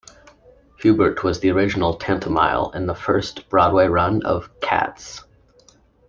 Hubert was the original Tantomile in the first Broadway run of "Cats".